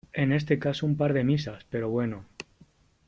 en este caso un par de misas , pero bueno ...